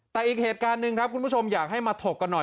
แต่อีกเหตุการณ์หนึ่งครับคุณผู้ชมอยากให้มาถกกันหน่อย